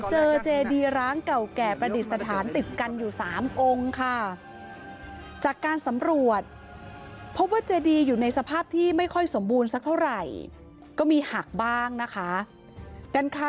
เจดีร้างเก่าแก่ประดิษฐานติดกันอยู่๓องค์ค่ะ